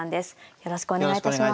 よろしくお願いします。